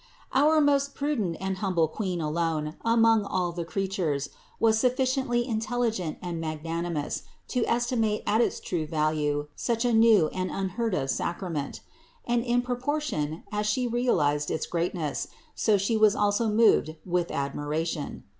133. Our most prudent and humble Queen alone, among all the creatures, was sufficiently intelligent and magnanimous to estimate at its true value such a new and unheard of sacrament; and in proportion as She realized its greatness, so She was also moved with ad miration.